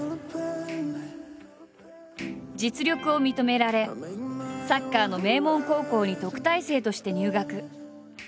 実力を認められサッカーの名門高校に特待生として入学。